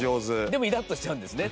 でもイラッとしちゃうんですね。